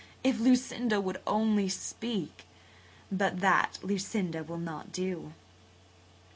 If Lucinda would only speak! But that Lucinda will not do."